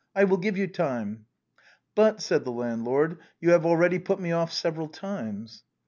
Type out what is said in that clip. I will give you time." "But," said the landlord, "you have already put me off several times."